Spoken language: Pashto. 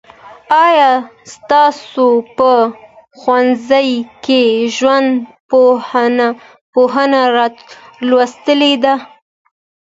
آیا تاسو په ښوونځي کي ژوندپوهنه لوستې ده؟